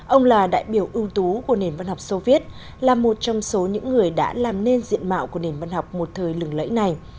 ông là đại biểu ưu tú của nền văn học soviet là một trong số những người đã làm nên diện mạo của nền văn học một thời lừng lẫy này